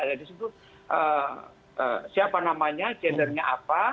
jadi disitu siapa namanya gendernya apa